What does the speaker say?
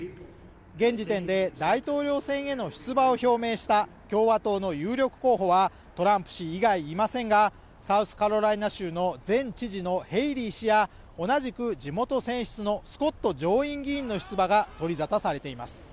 現時点で大統領選への出馬を表明した共和党の有力候補はトランプ氏以外いませんが、サウスカロライナ州の前知事のヘイリー氏や同じく地元選出のスコット上院議員の出馬が取り沙汰されています。